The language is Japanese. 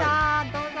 どうぞ。